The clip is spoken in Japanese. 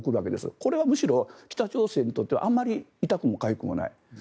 これはむしろ北朝鮮にとってはあまり痛くもかゆくもない。